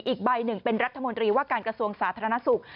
อีกใบหนึ่งเป็นรัฐมนตรีว่าการกระทรวงสาธารณสุข